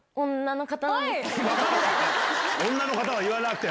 女の方は言わなくても。